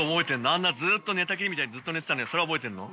あんなずっと寝たきりみたいにずっと寝てたのにそれは覚えてるの？